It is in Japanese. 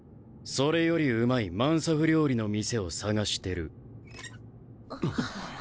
それよりうまいマンサフ料理の店を探してる。